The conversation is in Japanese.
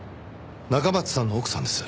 中松さんの奥さんです。